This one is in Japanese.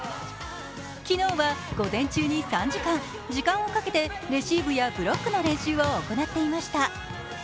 昨日は午前中に３時間時間をかけてレシーブやブロックの練習を行っていました。